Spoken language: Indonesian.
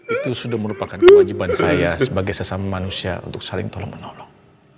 itu sudah merupakan kewajiban saya sebagai sesama manusia untuk saling tolong menolong